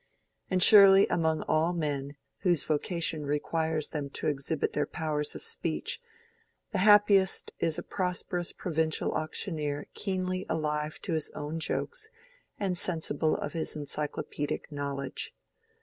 And surely among all men whose vocation requires them to exhibit their powers of speech, the happiest is a prosperous provincial auctioneer keenly alive to his own jokes and sensible of his encyclopedic knowledge.